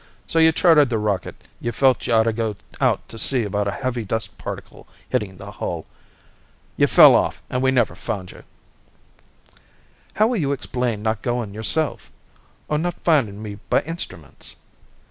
"So you chartered the rocket. You felt you oughta go out to see about a heavy dust particle hitting the hull. You fell off an' we never found you." "How will you explain not going yourself? Or not finding me by instruments?"